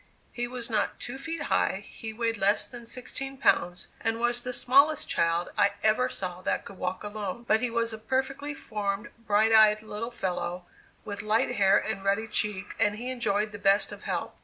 He was not two feet high; he weighed less than sixteen pounds, and was the smallest child I ever saw that could walk alone; but he was a perfectly formed, bright eyed little fellow, with light hair and ruddy cheeks and he enjoyed the best of health.